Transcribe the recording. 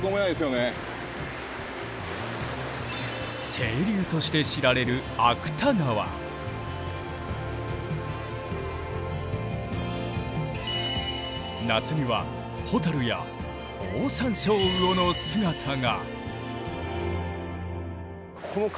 清流として知られる夏にはホタルやオオサンショウウオの姿が。